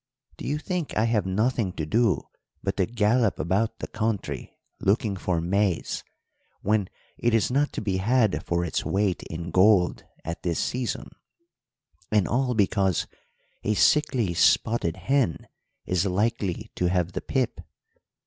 Do you think I have nothing to do but to gallop about the country looking for maize, when it is not to be had for its weight in gold at this season, and all because a sickly spotted hen is likely to have the pip?'